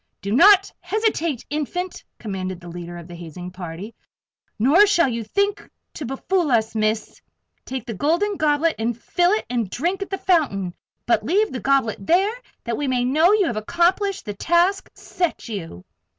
"Do not hesitate, Infant!" commanded the leader of the hazing party. "Nor shall you think to befool us, Miss! Take the Golden Goblet, and fill and drink at the fountain. But leave the goblet there, that we may know you have accomplished the task set you!"